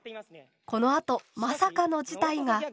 このあとまさかの事態が。